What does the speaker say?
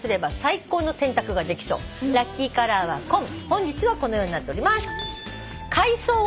本日はこのようになっております。